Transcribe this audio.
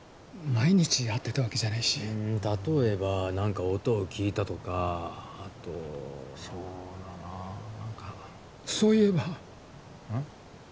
毎日会ってたわけじゃないし例えば何か音を聞いたとかあとそうだなそういえばうん？